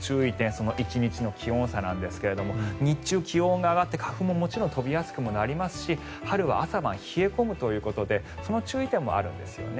その１日の気温差なんですが日中、気温が上がって花粉ももちろん飛びやすくなりますし春は朝晩冷え込むということでその注意点もあるんですよね。